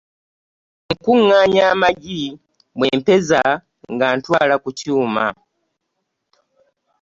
Nkungaanya amagi bwempeza nga ntwala ku kyuma.